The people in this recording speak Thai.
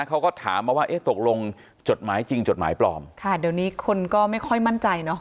เขาก็ถามมาว่าเอ๊ะตกลงจดหมายจริงจดหมายปลอมค่ะเดี๋ยวนี้คนก็ไม่ค่อยมั่นใจเนอะ